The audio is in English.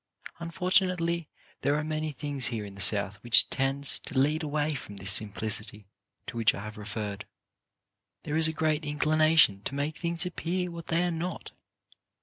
Unfortunately there are many things here in the South which tend to lead away from this simplicity to which I have referred. There is a great inclination to make things appear what they are not.